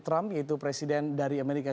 trump yaitu presiden dari amerika